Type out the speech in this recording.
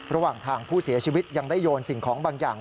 ระหว่างทางผู้เสียชีวิตยังได้โยนสิ่งของบางอย่าง